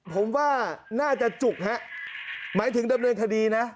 ผมว่าน่าจะจุกฮะหมายถึงเดิมเรื่องคดีนะ